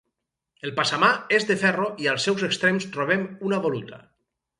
El passamà és de ferro i als seus extrems trobem una voluta.